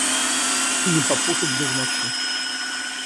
Не попутать бы в ночи.